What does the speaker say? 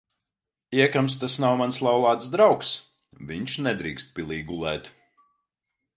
Iekams tas nav mans laulāts draugs, viņš nedrīkst pilī gulēt.